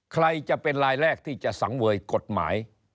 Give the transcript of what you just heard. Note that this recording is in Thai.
ใครจะเป็นรายแรกที่จะสังเวยกฎหมาย